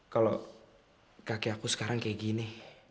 kalau kakek aku sekarang kayak gini